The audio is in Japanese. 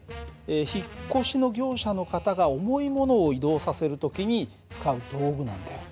引っ越しの業者の方が重いものを移動させる時に使う道具なんだよ。